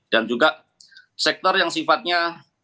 dan juga sektor yang sifatnya